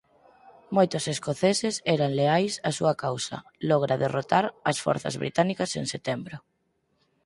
Moitos escoceses eran leais á súa causa; logra derrotar ás forzas británicas en setembro.